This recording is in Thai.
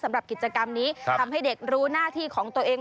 สำหรับกิจกรรมนี้ทำให้เด็กรู้หน้าที่ของตัวเอง